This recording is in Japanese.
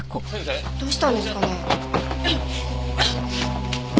どうしたんですかね？